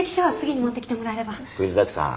藤崎さん。